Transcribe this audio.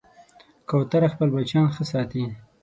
کوتره خپل بچیان ښه ساتي.